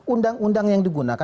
undang undang yang digunakan